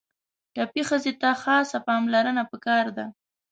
ټپي ښځې ته خاصه پاملرنه پکار ده.